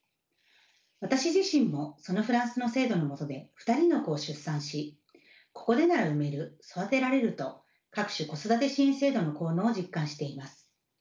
私自身もそのフランスの制度の下で２人の子を出産しここでなら産める育てられると各種子育て支援制度の効能を実感しています。